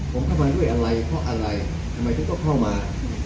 ผมเข้ามาด้วยอะไรข้ออะไรทำไมทุกคนเข้ามา